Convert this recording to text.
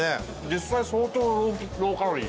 実際相当ローカロリー？